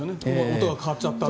音が変わっちゃったって。